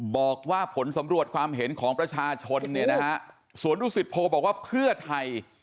บอกว่าผลสำรวจความเห็นของประชาชนเนี่ยนะฮะสวนดุสิตโพบอกว่าเพื่อไทย